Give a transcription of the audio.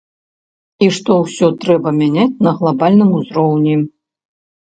І што ўсё трэба мяняць на глабальным узроўні.